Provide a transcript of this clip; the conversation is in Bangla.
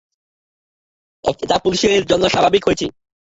এটা পুলিশের জন্য স্বাভাবিক হয়েছে।